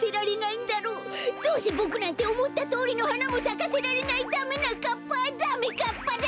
どうせボクなんておもったとおりのはなもさかせられないダメなかっぱダメかっぱだ！